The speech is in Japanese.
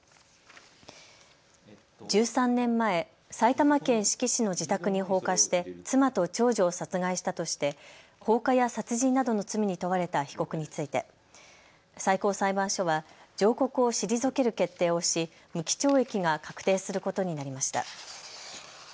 １３年前、埼玉県志木市の自宅に放火して妻と長女を殺害したとして放火や殺人などの罪に問われた被告について最高裁判所は上告を退ける決定をし、無期懲役が確定することになりました。